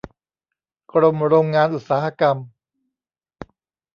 กรมโรงงานอุตสาหกรรม